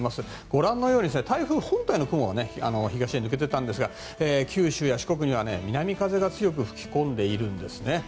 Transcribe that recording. ご覧のように台風本体の雲は東へ抜けていったんですが九州や四国には南風が強く吹き込んでいるんですね。